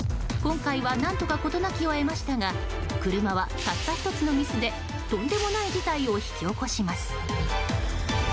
今回は何とか事なきを得ましたが車は、たった１つのミスでとんでもない事態を引き起こします。